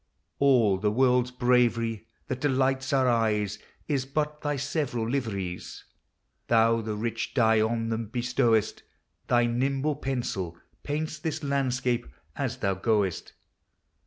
All the world's bravery, that delights our eyes, Is but thy several liveries; Thou the rich dye on them bestow'st, Thy nimble pencil paints this landscape as thou go'st.